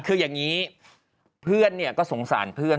คืออย่างนี้เพื่อนก็สงสารเพื่อน